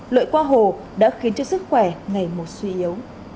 lợi qua hồ đã khiến cho sức khỏe ngày một suy yếu